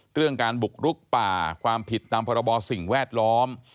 เรื่องการบุกรุกป่าความผิดตามพรบสิ่งแวดล้อม